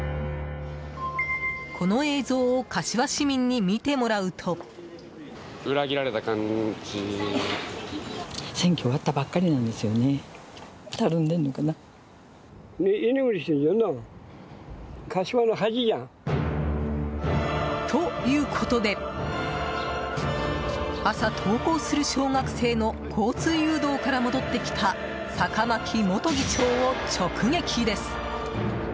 この映像を柏市民に見てもらうと。ということで朝、登校する小学生の交通誘導から戻ってきた坂巻元議長を直撃です。